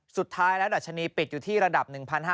สุดท้ายแล้วดัชนีปิดอยู่ที่ระดับ๑๕๐